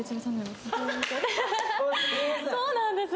そうなんです。